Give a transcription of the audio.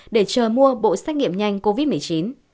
để chờ mua bộ xét nghiệm nhanh covid một mươi chín